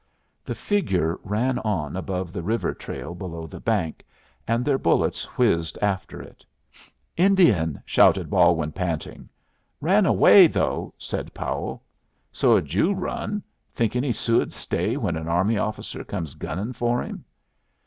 The figure ran on above the river trail below the bank, and their bullets whizzed after it. "Indian!" asserted Balwin, panting. "Ran away, though," said Powell. "So'd you run. Think any Sioux'd stay when an army officer comes gunning for him?"